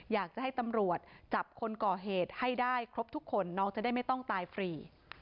อยากจะให้ตำรวจจับคนก่อเหตุให้ได้ครบทุกคนน้องจะได้ไม่ต้องตายฟรี